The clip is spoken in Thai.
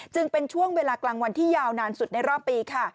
เป็นช่วงเวลากลางวันที่ยาวนานสุดในรอบปีค่ะ